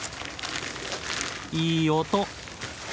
いい音。